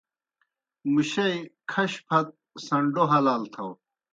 مُشئی کھش پھت سنڈوْ حلال تھاؤ۔